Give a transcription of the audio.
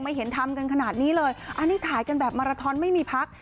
เห็นทำกันขนาดนี้เลยอันนี้ถ่ายกันแบบมาราทอนไม่มีพัก